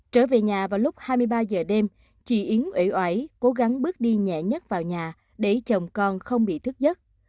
trở về nhà vào lúc hai mươi ba giờ đêm chị yến ủi ủi cố gắng bước đi nhẹ nhắc vào nhà để chồng con không bị thức giấc